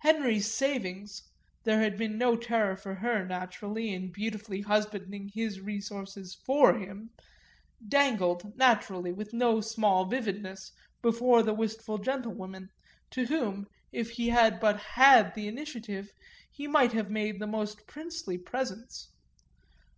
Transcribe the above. Henry's savings there had been no terror for her, naturally, in beautifully husbanding his resources for him dangled, naturally, with no small vividness, before the wistful gentlewomen, to whom, if he had but had the initiative, he might have made the most princely presents.